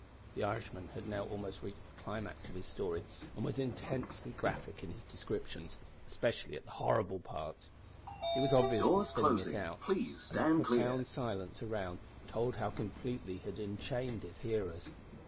The Irishman had now almost reached the climax of his story, and was intensely graphic in his descriptions especially at the horrible parts. He was obviously spinning it out, and the profound silence around told how completely he had enchained his hearers.